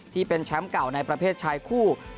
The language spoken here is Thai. ที่เป็นแชมป์เก่าในประเภทชายคู่